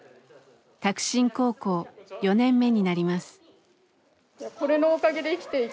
拓真高校４年目になります。